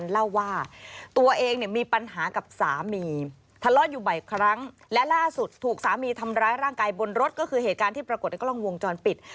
และล่าสุดถูกสามีทำร้ายร่างกายบนรถก็คือเหตุการณ์ที่ปรากฏในกล้องวงจรปิด